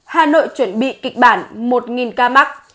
hà nội chuẩn bị kịch bản một ca mắc